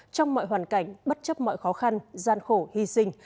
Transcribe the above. trong mọi hoàn cảnh bất chấp mọi khó khăn gian khổ hy sinh